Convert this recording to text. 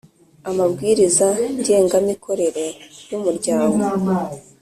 amabwiriza ngengamikorere y umuryango